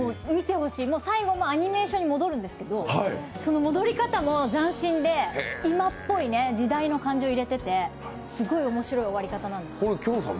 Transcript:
最後戻るんですけどその戻り方も斬新で、今っぽい時代の感じを入れててすごい面白い終わり方なんです。